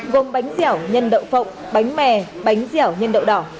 gồm bánh dẻo nhân đậu phộng bánh mè bánh dẻo nhân đậu đỏ